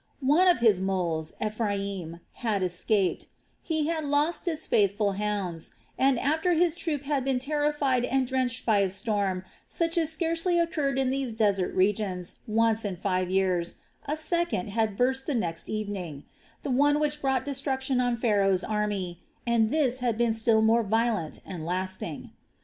One of his moles, Ephraim, had escaped; he had lost his faithful hounds, and after his troop had been terrified and drenched by a storm such as scarcely occurred in these desert regions once in five years, a second had burst the next evening the one which brought destruction on Pharaoh's army and this had been still more violent and lasting.